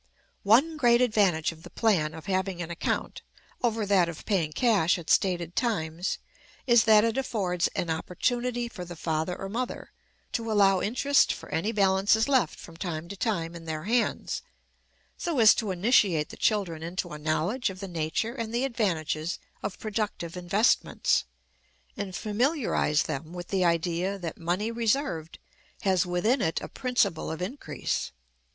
One great advantage of the plan of having an account over that of paying cash at stated times is, that it affords an opportunity for the father or mother to allow interest for any balances left from time to time in their hands, so as to initiate the children into a knowledge of the nature and the advantages of productive investments, and familiarize them with the idea that money reserved has within it a principle of increase.